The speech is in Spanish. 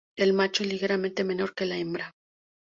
El macho es ligeramente menor que la hembra.